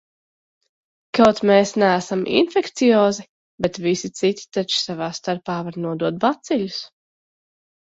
Kaut mēs neesam infekciozi, bet visi citi taču savā starpā var nodot baciļus.